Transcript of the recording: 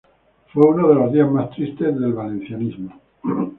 Fue uno de los días más tristes del valencianismo.